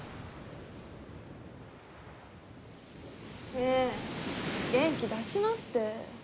ねえ元気出しなって。